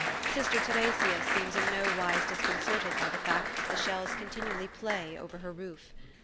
Sister Theresia seems in no wise disconcerted by the fact that the shells continually play over her roof.